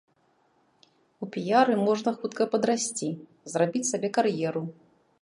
У піяры можна хутка падрасці, зрабіць сабе кар'еру.